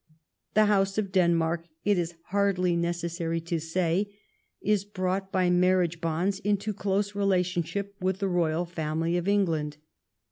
The House of Denmark, it is hardly necessary to say, is brought by marriage bonds into close relation ship with the royal family of England.